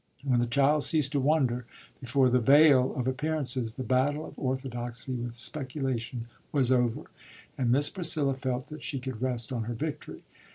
When the child ceased to wonder before the veil of appearances, the battle of orthodoxy with speculation was over, and Miss Priscilla felt that she could rest on her victory.